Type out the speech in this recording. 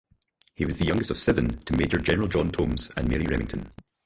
He was the youngest of seven to Major General John Tombs and Mary Remington.